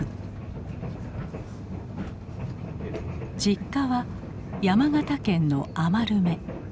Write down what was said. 実家は山形県の余目。